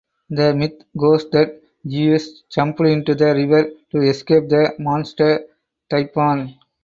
The myth goes that Zeus jumped into the river to escape the monster Typhon.